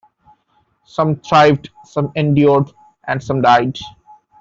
Some thrived, some endured, and some died.